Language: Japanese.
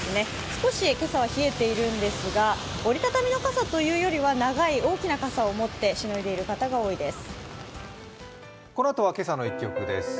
少し今朝は冷えているんですが折りたたみの傘よりは長い大きな傘を持ってしのいでいる方が多いです。